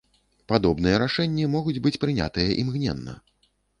Падобныя рашэнні могуць быць прынятыя імгненна.